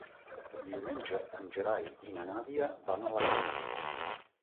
Diumenge en Gerai i na Nàdia van a la Granada.